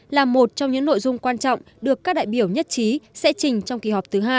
là một trong những nội dung quan trọng được các đại biểu nhất trí sẽ trình trong kỳ họp thứ hai